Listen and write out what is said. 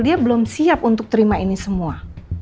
dia belum siap untuk terima ini semua